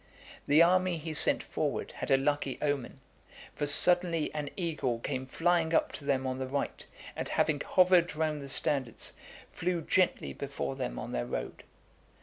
The army he sent forward had a lucky omen; for, suddenly, an eagle cams flying up to them on the right, and having hovered (433) round the standards, flew gently before them on their road.